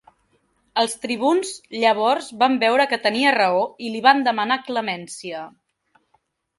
Els tribuns llavors van veure que tenia raó i li van demanar clemència.